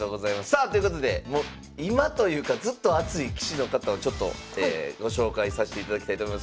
さあということでもう今というかずっと熱い棋士の方をちょっとご紹介させていただきたいと思います。